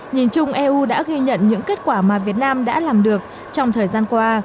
nhìn chung eu đã ghi nhận những kết quả mà việt nam đã làm được trong thời gian qua